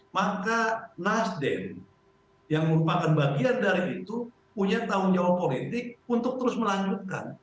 maka nasdem yang merupakan bagian dari itu punya tanggung jawab politik untuk terus melanjutkan